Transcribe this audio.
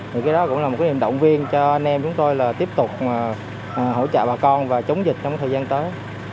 thì cái đó cũng là một cái niềm động viên cho anh em chúng tôi là tiếp tục hỗ trợ bà con và chống dịch trong thời gian tới